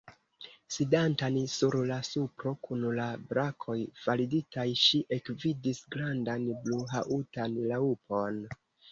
Sidantan sur la supro, kun la brakoj falditaj, ŝi ekvidis grandan bluhaŭtan raŭpon.